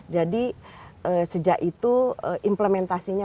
jadi sejak itu implementasinya